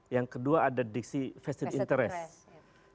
yang kedua ada diksi vested interest